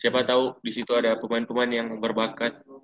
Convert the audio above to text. siapa tau disitu ada pemain pemain yang berbakat